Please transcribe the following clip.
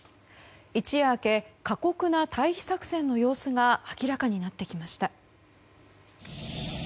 一夜明け過酷な退避作戦の様子が明らかになってきました。